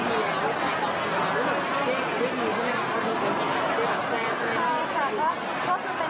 พี่เวียคิดว่าไม่ได้เหรอ